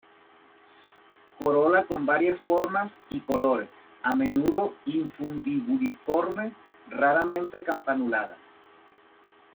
Corola con varias formas y colores, a menudo infundibuliforme, raramente campanulada.